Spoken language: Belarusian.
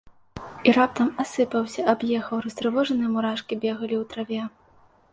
І раптам асыпаўся, аб'ехаў, растрывожаныя мурашкі бегалі ў траве.